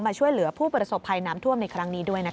ช่วยเหลือผู้ประสบภัยน้ำท่วมในครั้งนี้ด้วยนะคะ